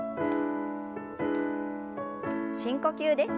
深呼吸です。